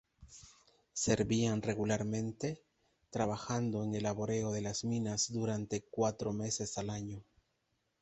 Servían regularmente trabajando en el laboreo de las minas durante cuatro meses al año.